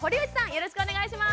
よろしくお願いします。